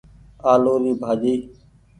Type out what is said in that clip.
آلو ري ڀآڃي۔